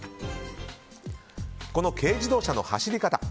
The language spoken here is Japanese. この軽自動車の走り方